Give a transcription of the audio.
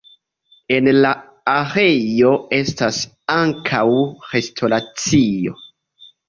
En la areo estas ankaŭ restoracio.